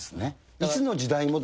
いつの時代もだ。